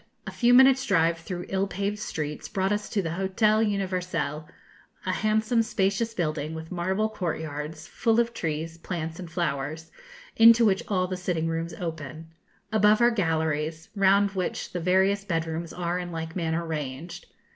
A few minutes' drive through ill paved streets brought us to the Hotel Universel, a handsome, spacious building, with marble courtyards, full of trees, plants, and flowers, into which all the sitting rooms open. Above are galleries, round which the various bed rooms are in like manner ranged.